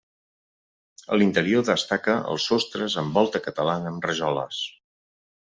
A l'interior destaca els sostres amb volta catalana amb rajoles.